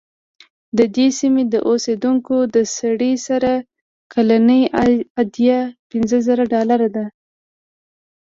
د دې سیمې د اوسېدونکو د سړي سر کلنی عاید پنځه زره ډالره دی.